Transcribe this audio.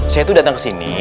saya tuh datang kesini